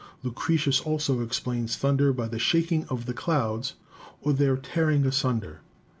Lucretius also explains thunder by the shaking of the clouds or their tearing asunder.